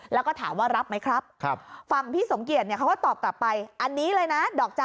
แล้วก็ถามว่ารับไหมครับฝั่งว่าที่สมเกียจอันนี้เลยนะ